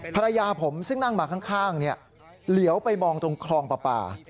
ภรรยาผมซึ่งนั่งมาข้างเหลียวไปมองตรงคลองปลา